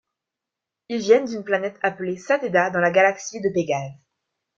Ils viennent d'une planète appelée Sateda, dans la galaxie de Pégase.